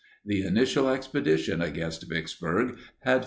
The initial expedition against Vicksburg had failed.